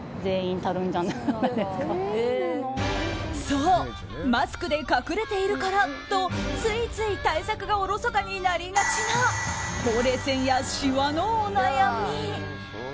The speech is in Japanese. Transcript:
そう、マスクで隠れているからとついつい対策がおろそかになりがちなほうれい線やシワのお悩み。